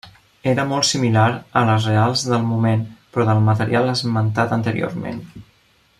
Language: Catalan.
Era molt similar a les reals del moment però del material esmentat anteriorment.